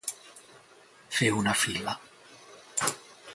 Fer una fila.